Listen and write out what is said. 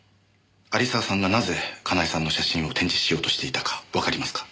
有沢さんがなぜ佳苗さんの写真を展示しようとしていたかわかりますか？